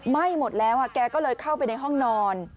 ไหม้หมดแล้วแกก็เลยเข้าไปในห้องนอน